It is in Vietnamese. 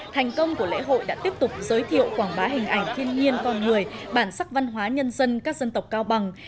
thành công của lễ hội đã tiếp tục giới thiệu quảng bá hình ảnh thiên nhiên con người bản sắc văn hóa nhân dân các dân tộc cao bằng